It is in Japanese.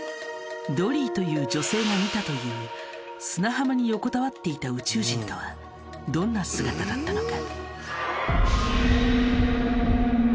ドリーという女性が見たという砂浜に横たわっていた宇宙人とはどんな姿だったのか。